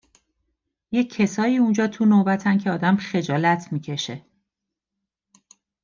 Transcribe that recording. یه کسایی اونجا تو نوبتن که آدم خجالت می کشه